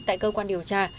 tại cơ quan điều tra